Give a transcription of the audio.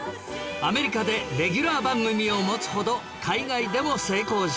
アメリカでレギュラー番組を持つほど海外でも成功したんです